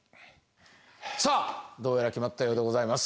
さあどうやら決まったようでございます。